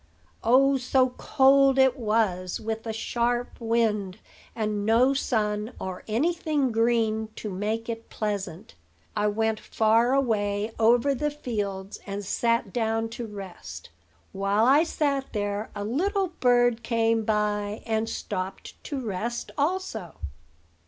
Oh, so cold it was, with a sharp wind, and no sun or any thing green to make it pleasant! I went far away over the fields, and sat down to rest. While I sat there, a little bird came by, and stopped to rest also.